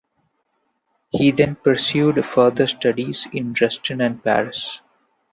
He then pursued further studies in Dresden and Paris.